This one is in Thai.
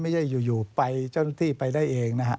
ไม่ใช่อยู่ไปเจ้าหน้าที่ไปได้เองนะฮะ